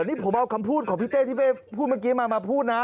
นี่ผมเอาคำพูดของพี่เต้ที่เป้พูดเมื่อกี้มาพูดนะ